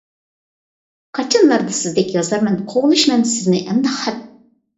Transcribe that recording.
قاچانلاردا سىزدەك يازارمەن، قوغلىشىمەن سىزنى ئەمدى خەپ.